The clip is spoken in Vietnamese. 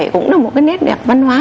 cũng là một cái nét đẹp văn hóa